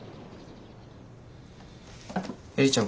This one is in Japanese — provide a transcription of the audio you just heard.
映里ちゃん